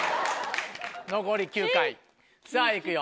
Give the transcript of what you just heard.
残り９回さぁいくよ。